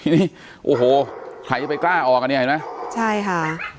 นี่โอ้โหใครจะไปกล้าออกอ่ะเนี่ยเห็นไหมใช่ค่ะ